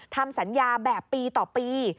ทำสัญญาแบบปีต่อปี